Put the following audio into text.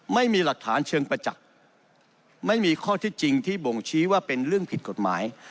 ไม่มีหลักฐานเชิงประจักษ์ไม่มีข้อที่จริงที่บ่งชี้ว่าเป็นเรื่องผิดกฎหมาย